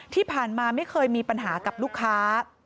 ที่ผ่านมาไม่เคยมีปัญหากับลูกค้า